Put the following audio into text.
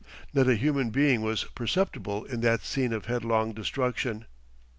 Not a human being was perceptible in that scene of headlong destruction.